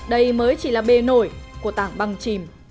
đây mới chỉ là bề nổi của tảng băng chìm